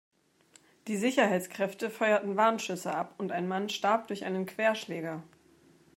Die Sicherheitskräfte feuerten Warnschüsse ab und ein Mann starb durch einen Querschläger.